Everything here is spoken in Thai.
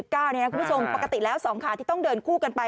คุณผู้ชมปกติแล้ว๒ขาที่ต้องเดินคู่กันไป